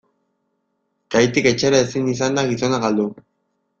Kaitik etxera ezin izan da gizona galdu.